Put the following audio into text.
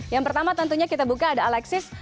yang pertama tentunya kita buka ada alexis